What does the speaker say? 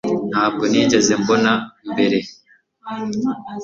Ntabwo nigeze mbona mbere